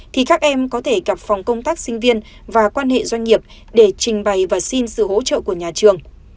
thì các em có thể gặp phòng công tác sinh viên và quan hệ doanh nghiệp để trình bày và xin sự hỗ trợ của nhà trường